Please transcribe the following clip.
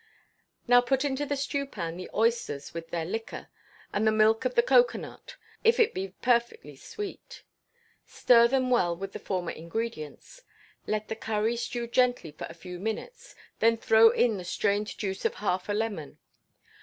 Now put into the stewpan the oysters with their liquor, and the milk of the cocoa nut, if it be perfectly sweet; stir them well with the former ingredients; let the curry stew gently for a few minutes, then throw in the strained juice of half a lemon.